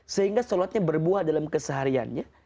sehingga sholatnya berbuah dalam kesehariannya